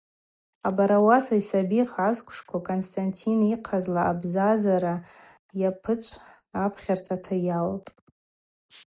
Абарауаса йсабихъа асквшква Константин йыхъазла абзазара йапычӏв апхьартата йалтӏ.